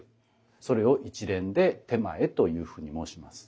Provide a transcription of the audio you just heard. それを一連で点前というふうに申します。